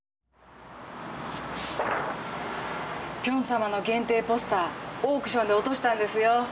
ピョン様の限定ポスターオークションで落としたんですよ。